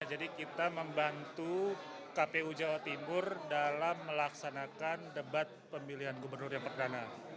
jadi kita membantu kpu jawa timur dalam melaksanakan debat pemilihan gubernur yang pertama